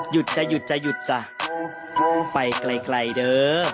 หยุดจะหยุดจะหยุดจ้ะไปไกลเด้อ